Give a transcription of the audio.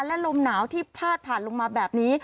และลมหนาวที่พาดผ่านลงมาแบบนี้